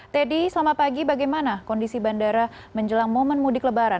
teddy selamat pagi bagaimana kondisi bandara menjelang momen mudik lebaran